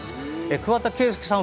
桑田佳祐さん